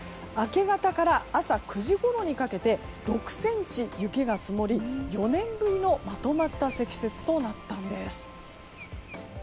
明け方から朝９時ごろにかけて６ｃｍ雪が積もり、４年ぶりのまとまった積雪となったんです。